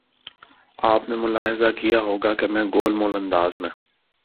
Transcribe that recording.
آپ نے ملاحظہ کیا ہو گا کہ میں گول مول انداز میں